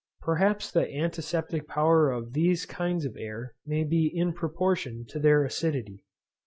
Perhaps the antiseptic power of these kinds of air may be in proportion to their acidity.